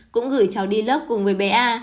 cũng gửi cháu đi lớp cùng với bé a